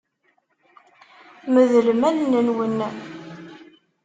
Medlem allen-nwen.